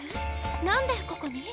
なんでここに？